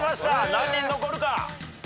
何人残るか？